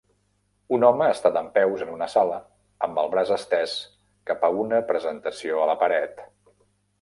Un home està dempeus en una sala, amb el braç estès cap a una presentació a la paret.